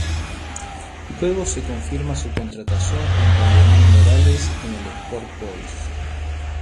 Luego se confirma su contratación junto a Leonel Morales en el Sport Boys.